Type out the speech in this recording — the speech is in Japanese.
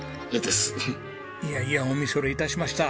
いやいやお見それ致しました。